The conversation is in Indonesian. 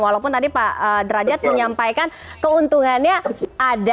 walaupun tadi pak derajat menyampaikan keuntungannya ada